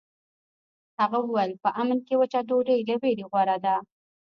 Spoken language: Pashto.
هغه وویل په امن کې وچه ډوډۍ له ویرې غوره ده.